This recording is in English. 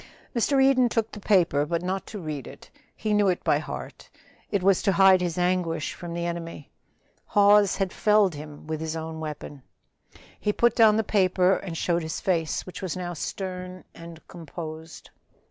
Mr. Eden took the paper, but not to read it he knew it by heart. It was to hide his anguish from the enemy. Hawes had felled him with his own weapon. He put down the paper and showed his face, which was now stern and composed.